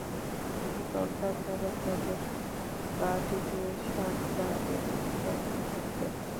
তিনি কলকাতার উদ্বোধন বাটীতে সারদা দেবীর সঙ্গে থাকতেন।